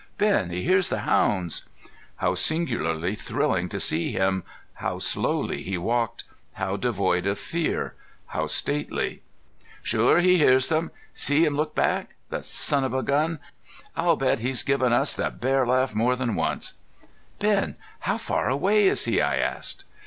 Ben, he hears the hounds." How singularly thrilling to see him, how slowly he walked, how devoid of fear, how stately! "Sure he hears them. See him look back. The son of a gun! I'll bet he's given us the bear laugh more than once." "Ben, how far away is he?" I asked.